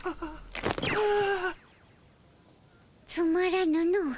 つまらぬの。